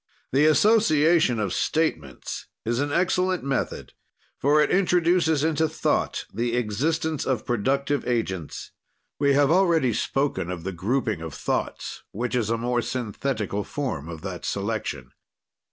"The association of statements is an excellent method for it introduces into thought the existence of productive agents. "We have already spoken of the grouping of thoughts, which is a more synthetical form of that selection.